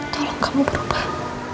tolong kamu berubah